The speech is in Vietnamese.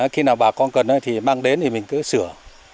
khi nào bà con cần thì mang đến thì mình cứ sửa